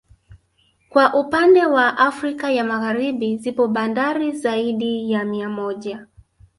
Kwa upannde wa Afrika ya Magharibi zipo bandari zaidi ya mia moja